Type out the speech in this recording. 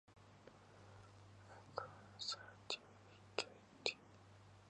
A certificate is received subject to satisfactory attendance, and oral and written exam results.